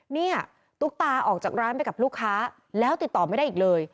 ตุ๊กตาออกจากร้านไปกับลูกค้าแล้วติดต่อไม่ได้อีกเลย